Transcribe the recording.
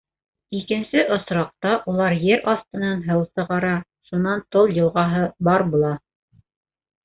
Икенсе осраҡта улар ер аҫтынан һыу сығара, шунан Тол йылғаһы бар була.